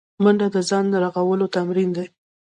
منډه د ځان رغولو تمرین دی